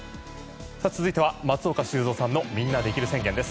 続いては松岡修造さんのみんなできる宣言です。